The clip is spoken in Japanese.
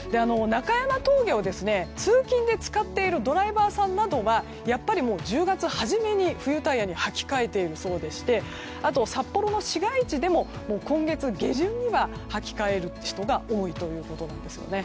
中山峠を通勤で使っているドライバーさんなどはやっぱりもう１０月初めに冬タイヤに履き替えているそうで札幌の市街地でも今月下旬には履き替える人が多いということなんですね。